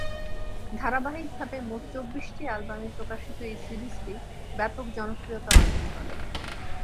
ধারাবাহিকভাবে মোট চব্বিশটি অ্যালবামে প্রকাশিত এই সিরিজটি ব্যাপক জনপ্রিয়তা অর্জন করে।